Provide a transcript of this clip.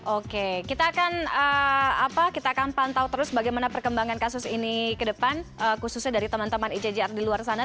oke kita akan apa kita akan pantau terus bagaimana perkembangan kasus ini kedepan khususnya dari teman teman ijjr di luar sana